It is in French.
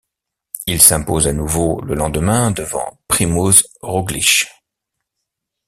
Il s'impose à nouveau le lendemain devant Primož Roglič.